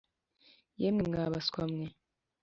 “yemwe mwa baswa mwe,